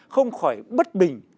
không khỏi bất bình